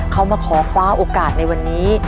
เขามาขอคว้าโอกาสในวันนี้